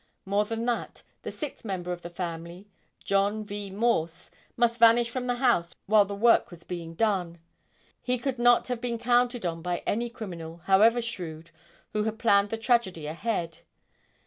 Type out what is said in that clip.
More than that, the sixth member of the family, John V. Morse, must vanish from the house while the work was being done. He could not have been counted on by any criminal, however shrewd, who had planned the tragedy ahead.